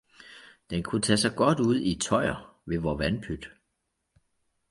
den kunne tage sig godt ud i tøjr ved vor vandpyt!